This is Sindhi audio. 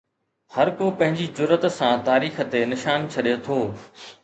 هر ڪو پنهنجي جرئت سان تاريخ تي نشان ڇڏي ٿو.